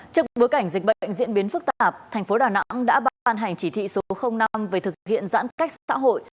trước bối cảnh dịch bệnh diễn biến phức tạp thành phố đà nẵng đã ban hành chỉ thị số năm về thực hiện giãn cách xã hội